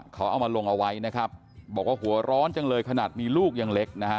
เขาเอามาลงเอาไว้นะครับบอกว่าหัวร้อนจังเลยขนาดมีลูกยังเล็กนะฮะ